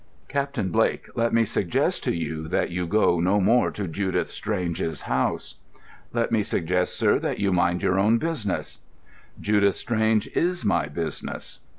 "Captain Blake, let me suggest to you that you go no more to Judith Strange's house." "Let me suggest, sir, that you mind your own business." "Judith Strange is my business."